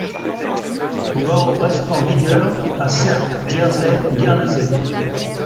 Le haro reste en vigueur à Sercq, Jersey et Guernesey.